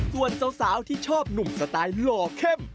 ส่วนสาวที่ชอบหนุ่มสไตล์หล่อเข้ม